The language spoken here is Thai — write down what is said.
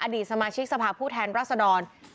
ดีสมาชิกสภาพผู้แทนรัศดร